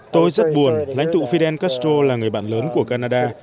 tôi rất buồn lãnh tụ fidel castro là người bạn lớn của canada